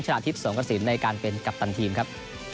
ฉลาดทิศสวงกระสินในการเป็นกัปตันทีมครับ